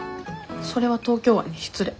それは東京湾に失礼。